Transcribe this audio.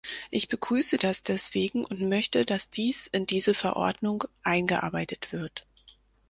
Ich begrüße das deswegen und möchte, dass dies in diese Verordnung eingearbeitet wird.